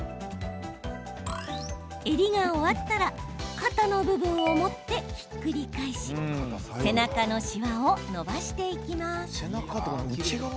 襟が終わったら肩の部分を持って、ひっくり返し背中のしわを伸ばしていきます。